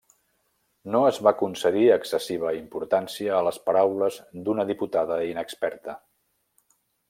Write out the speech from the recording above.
No es va concedir excessiva importància a les paraules d'una diputada inexperta.